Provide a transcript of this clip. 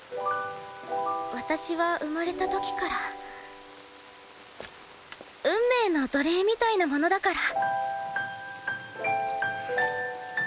私は生まれた時から運命の奴隷みたいなものだから。